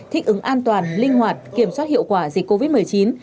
thích ứng an toàn linh hoạt kiểm soát hiệu quả dịch covid một mươi chín